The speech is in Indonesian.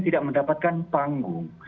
tidak mendapatkan panggung